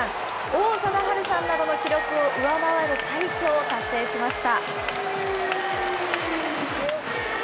王貞治さんなどの記録を上回る快挙を達成しました。